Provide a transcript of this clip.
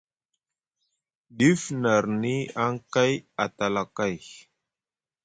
Dif nʼarni aŋ kay a tala kay,